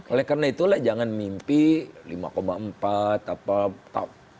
oleh karena itulah jangan mimpi lima empat apa top